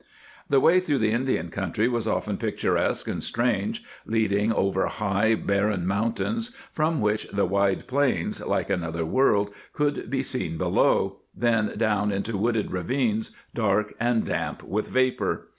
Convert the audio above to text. The way through the Indian country was often picturesque and strange, leading over high, bar ren mountains from which the wide plains, like another world, could be seen below, then down into wooded ravines, dark and damp with vapor."